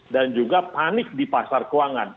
dan juga panik di pasar keuangan